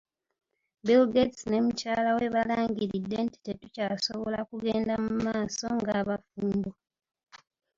Bill Gates ne mukyala we balangiridde nti tetukyasobola kugenda mu maaso ng'abafumbo.